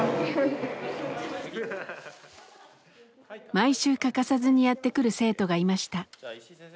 毎週欠かさずにやって来る生徒がいました。